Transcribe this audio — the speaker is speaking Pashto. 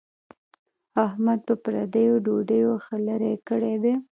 احمد په پردیو ډوډیو ښه لری کړی دی.